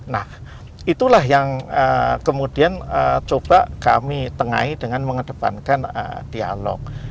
nah itulah yang kemudian coba kami tengahi dengan mengedepankan dialog